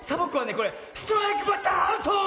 これストライクバッターアウト！